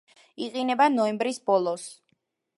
იყინება ნოემბრის ბოლოს.